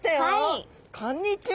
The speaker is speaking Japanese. こんにちは。